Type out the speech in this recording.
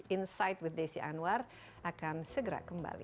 insight with desi anwar akan segera kembali